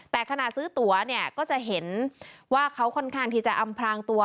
แต่ขณะซื้อตัวเนี่ยก็จะเห็นว่าเขาค่อนข้างที่จะอำพลางตัว